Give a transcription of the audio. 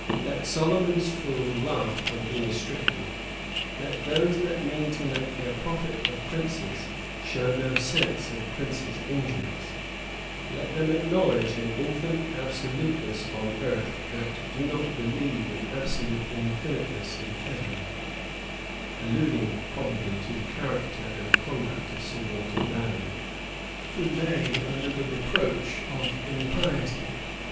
Let Solomon's fool laugh when he is stricken; let those that mean to make their profit of princes, show no sense of princes' injuries: let them acknowledge an infinite absoluteness on earth, that do not believe an absolute infiniteness in heaven:" (alluding, probably, to the character and conduct of Sir Walter Raleigh, who lay under the reproach of impiety.)